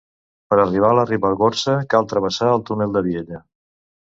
Per arribar a la Ribagorça cal travessar el túnel de Vielha.